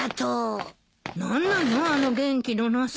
何なのあの元気のなさ。